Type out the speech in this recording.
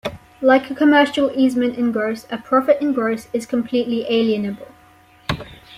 Like a commercial easement in gross, a profit in gross is completely alienable.